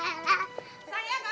eh bukannya aja